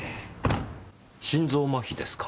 心臓麻痺ですか。